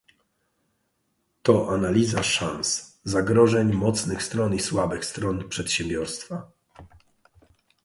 to analiza szans, zagrożeń, mocnych stron i słabych stron przedsiębiorstwa.